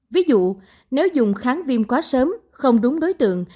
ví dụ nếu dùng kháng viêm quá sớm không đúng đối tượng